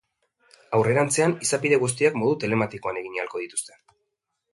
Aurrerantzean, izapide guztiak modu telematikoan egin ahalko dituzte.